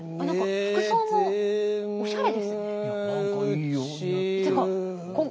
服装もおしゃれですね。